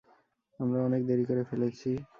আমরা অনেক দেরি করে ফেলেছি।